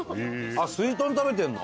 あっすいとん食べてるの？